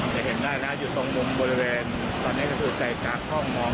จะเห็นได้นะครับอยู่ตรงมุมบริเวณตอนนี้ก็จะดูใส่จากคล่องมอง